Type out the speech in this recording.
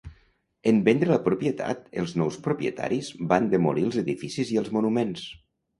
En vendre la propietat, els nous propietaris van demolir els edificis i els monuments.